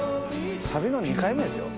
サビの２回目ですよ。